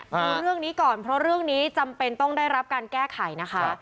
ดูเรื่องนี้ก่อนเพราะเรื่องนี้จำเป็นต้องได้รับการแก้ไขนะคะ